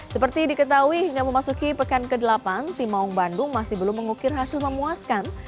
seperti diketahui hingga memasuki pekan ke delapan tim maung bandung masih belum mengukir hasil memuaskan